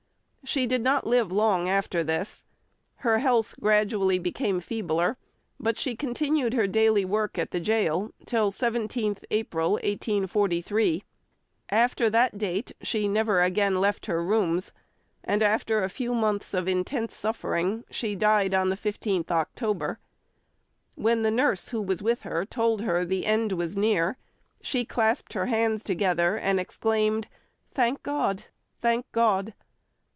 She did not live long after this. Her health gradually became feebler, but she continued her daily work at the gaol till 17th April 1843. After that date she never again left her rooms, and after a few months of intense suffering, she died on the 15th October. When the nurse who was with her told her the end was near, she clasped her hands together and exclaimed, "Thank God, thank God."